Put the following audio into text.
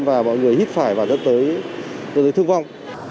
và mọi người hít phải và dẫn tới thương vong